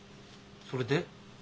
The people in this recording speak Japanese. それで？